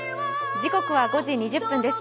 時刻は５時２０分です。